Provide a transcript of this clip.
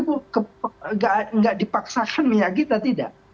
tidak dipaksakan minyak kita tidak